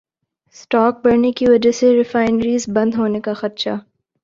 stock بڑھنے کی وجہ سے ریفائنریز بند ہونے کا خدشہ